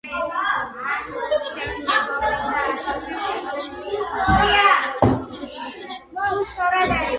ქვედანაყოფის შექმნის საჭიროება მას შემდეგ გახდა, რაც საქართველოში ტურისტთა შემოსვლა გაიზარდა.